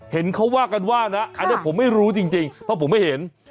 เห็นเขาว่ากันว่านะอันนี้ผมไม่รู้จริงเพราะผมไม่เห็น